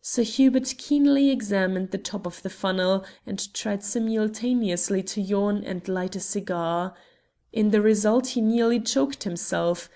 Sir Hubert keenly examined the top of the funnel, and tried simultaneously to yawn and light a cigar. In the result he nearly choked himself.